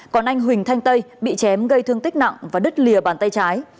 còn anh huỳnh thanh tây bị chém gây thương tích nặng và đứt lìa bàn tay trái